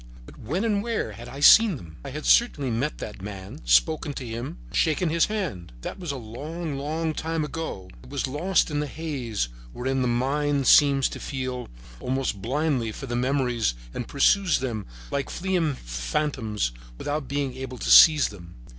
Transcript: But when and where had I seen them? I had certainly met that man, spoken to him, shaken his hand. That was a long, long time ago. It was lost in the haze wherein the mind seems to feel around blindly for memories and pursues them like fleeing phantoms without being able to seize them.